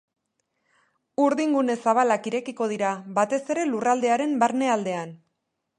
Urdingune zabalak irekiko dira, batez ere lurraldearen barnealdean.